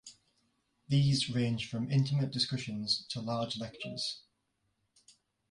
These range from intimate discussions to large lectures.